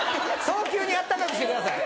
早急に暖かくしてください。